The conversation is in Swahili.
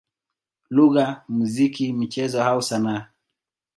lugha, muziki, michezo au sanaa.